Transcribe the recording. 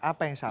apa yang salah